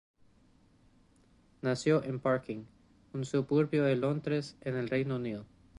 Nació en Barking, un suburbio de Londres en el Reino Unido.